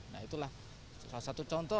nah itulah salah satu contoh